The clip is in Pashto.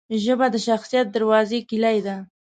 ژبه د شخصیت دروازې کلۍ ده